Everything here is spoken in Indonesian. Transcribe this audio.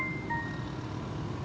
sekarangnya aku mau pergi